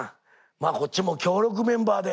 まあこっちも強力メンバーで。